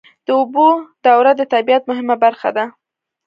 د اوبو دوره د طبیعت مهمه برخه ده.